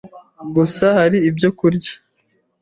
Gusa hari ibyo kurya